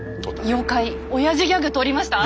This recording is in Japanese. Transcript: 妖怪オヤジギャグ通りました？